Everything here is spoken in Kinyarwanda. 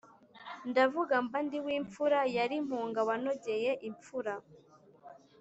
ndavuga mbandiwimfura nyirimpunga wanogeye imfura.